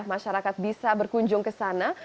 masyarakat bisa berkunjung ke sana